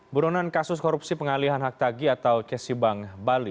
buronan kasus korupsi pengalihan hak tagi atau kesibang bali